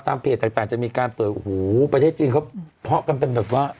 เพจต่างจะมีการเปิดโอ้โหประเทศจีนเขาเพาะกันเป็นแบบว่า